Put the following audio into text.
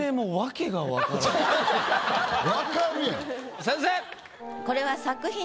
先生！